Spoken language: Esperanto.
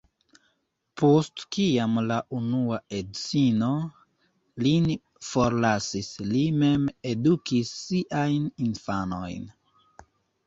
Post kiam la unua edzino lin forlasis li mem edukis siajn infanojn.